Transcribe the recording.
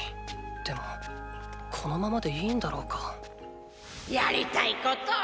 でもこのままでいいんだろうかやりたいことをやれ！